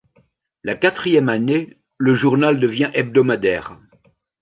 La quatrième année le journal devient hebdomadaire.